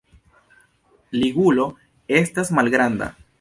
Ligulo estas malgranda.